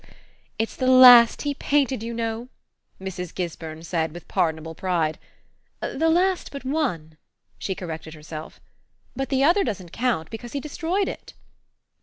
"It's the last he painted, you know," Mrs. Gisburn said with pardonable pride. "The last but one," she corrected herself "but the other doesn't count, because he destroyed it."